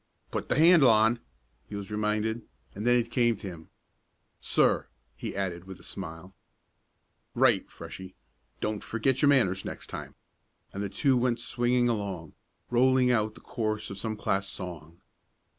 "Put the handle on," he was reminded, and then it came to him. "Sir," he added with a smile. "Right, Freshie. Don't forget your manners next time," and the two went swinging along, rolling out the chorus of some class song.